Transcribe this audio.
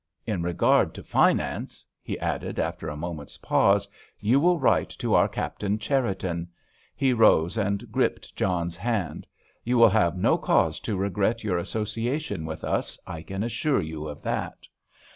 In regard to finance," he added, after a moment's pause, "you will write to our Captain Cherriton." He rose and gripped John's hand. "You will have no cause to regret your association with us, I can assure you of that."